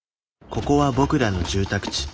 ここは僕らの住宅地。